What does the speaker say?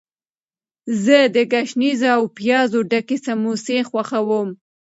زه د ګشنیزو او پیازو ډکې سموسې خوښوم.